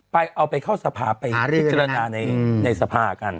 เอาไปเข้าสภาไปพิจารณาในสภากัน